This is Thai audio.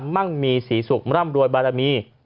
มั่งมีศรีสุขร่ำรวยบารมี